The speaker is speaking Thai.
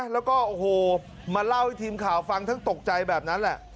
แล้วก็โอ้โหมาเล่าให้ทีมข่าวฟังทั้งตกใจแบบนั้นแหละ